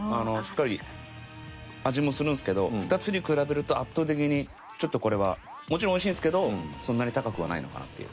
２つに比べると圧倒的にちょっとこれはもちろんおいしいんですけどそんなに高くはないのかなという。